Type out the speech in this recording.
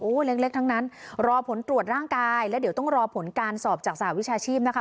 เล็กทั้งนั้นรอผลตรวจร่างกายแล้วเดี๋ยวต้องรอผลการสอบจากสหวิชาชีพนะคะ